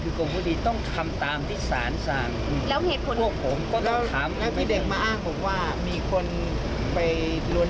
คือชี้มาเลยดีกว่าผมจะปลดให้ดู